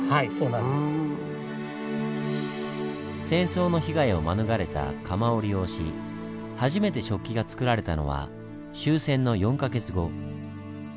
戦争の被害を免れた窯を利用し初めて食器がつくられたのは終戦の４か月後。